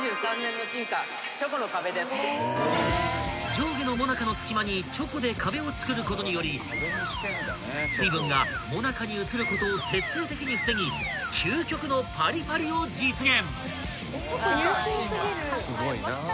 ［上下のモナカの隙間にチョコで壁を作ることにより水分がモナカに移ることを徹底的に防ぎ究極のパリパリを実現］